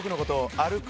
歩く